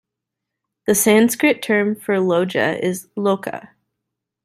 The Sanskrit term for Loga is ""loka".